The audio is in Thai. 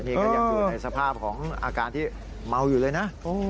นี่ก็ยังอยู่ในสภาพของอาการที่เมาอยู่เลยนะ